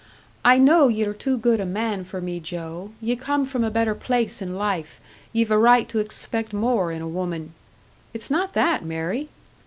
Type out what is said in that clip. I know ye're too good a man for me, Joe. Ye come from a better place in life, ye've a right to expect more in a woman " "It's not that, Mary!"